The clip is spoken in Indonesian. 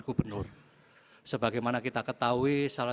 gubernur sebagaimana kita ketahui salah